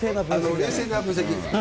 冷静な分析。